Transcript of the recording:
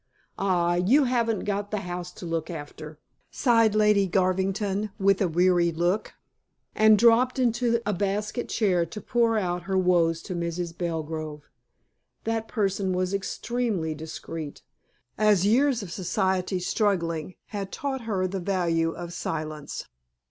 "Ah, you haven't got the house to look after," sighed Lady Garvington, with a weary look, and dropped into a basket chair to pour out her woes to Mrs. Belgrove. That person was extremely discreet, as years of society struggling had taught her the value of silence.